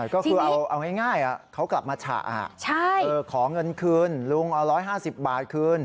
ก็คือเอาง่ายเขากลับมาฉะขอเงินคืนลุงเอา๑๕๐บาทคืน